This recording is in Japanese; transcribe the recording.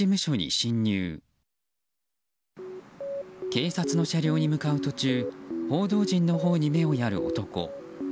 警察の車両に向かう途中報道陣のほうに目をやる男。